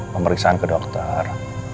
pemeriksaan ke dokter